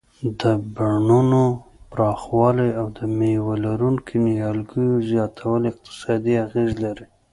د بڼونو پراخوالی او د مېوه لرونکو نیالګیو زیاتول اقتصادي اغیز لري.